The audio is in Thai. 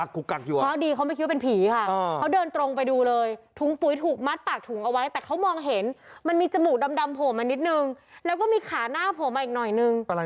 ดีเขาไม่คิดว่าเป็นผีค่ะเขาเดินตรงไปดูเลยถุงปุ๋ยถูกมัดปากถุงเอาไว้แต่เขามองเห็นมันมีจมูกดำโผล่มานิดนึงแล้วก็มีขาหน้าโผล่มาอีกหน่อยนึง